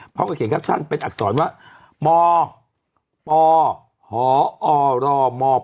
ภาคก็เขียนคัปชั่นเป็นอักษรว่ามอปอหออลรอมอปอ